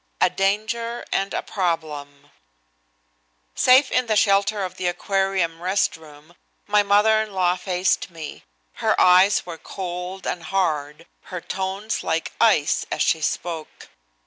XVII A DANGER AND A PROBLEM Safe in the shelter of the Aquarium rest room my mother in law faced me. Her eyes were cold and hard, her tones like ice, as she spoke.